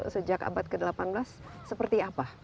sejak abad ke delapan belas seperti apa